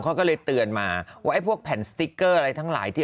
เขาก็เลยเตือนมาว่าไอ้พวกแผ่นสติ๊กเกอร์อะไรทั้งหลายที่